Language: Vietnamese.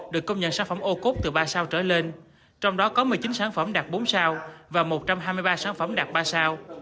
được công nhận sản phẩm ô cốt từ ba sao trở lên trong đó có một mươi chín sản phẩm đạt bốn sao và một trăm hai mươi ba sản phẩm đặc ba sao